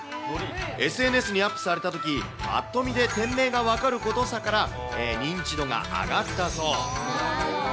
ＳＮＳにアップされたとき、ぱっと見で店名が分かることから認知度が上がったそう。